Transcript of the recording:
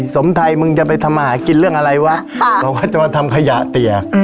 สมไทยมึงจะไปทำมาหากินเรื่องอะไรวะบอกว่าจะมาทำขยะเตี๋ย